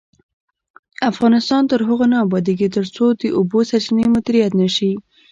افغانستان تر هغو نه ابادیږي، ترڅو د اوبو سرچینې مدیریت نشي.